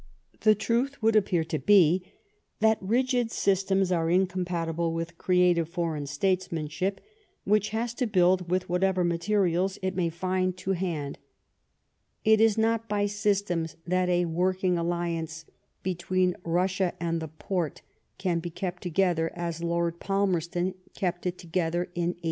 The truth would appear to be that rigid systems are incompatible with creative Foreign States manship, which has to build with whatever materials it may find to hand ; it is not by systems that a working alliance between Russia and the Forte can be kept together, as Lord Palmerston kept it together in 1840.